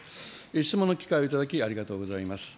質問の機会を頂き、ありがとうございます。